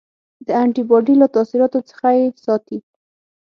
د انټي باډي له تاثیراتو څخه یې ساتي.